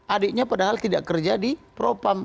adiknya padahal tidak kerja di propam